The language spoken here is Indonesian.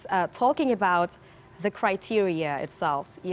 jadi harnas berbicara tentang kriteria itu sendiri